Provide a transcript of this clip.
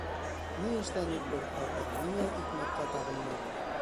Ни эшләнек беҙ хәҙер, ниңә икмәккә табынмайбыҙ?